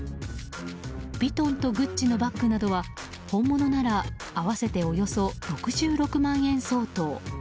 ヴィトンとグッチのバッグなどは本物なら合わせておよそ６６万円相当。